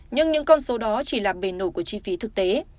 nhưng những con số đó chỉ là bề nổi của chi phí thực tế